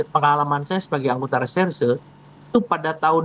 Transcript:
pengalaman saya sebagai anggota reserse itu pada tahun dua ribu dua